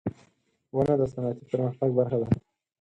• ونه د صنعتي پرمختګ برخه ده.